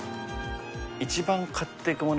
一番買っていくもの